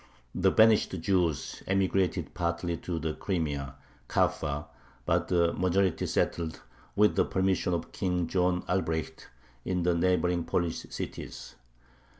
The banished Jews emigrated partly to the Crimea (Kaffa), but the majority settled, with the permission of King John Albrecht, in the neighboring Polish cities.